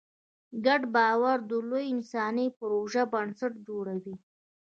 ګډ باور د لویو انساني پروژو بنسټ جوړوي.